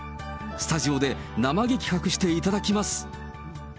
スタジオで、生激白していただきます。